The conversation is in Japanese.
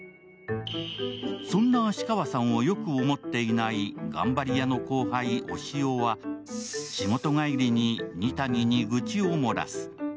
そんな芦川さんをよく思っていない頑張り屋の後輩・押尾は仕事帰りに二谷に愚痴を漏らす。